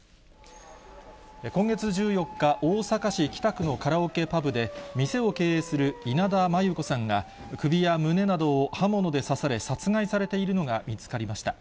今月１４日、大阪市北区のカラオケパブで、店を経営する稲田真優子さんが、首や胸などを刃物で刺され、殺害されているのが見つかりました。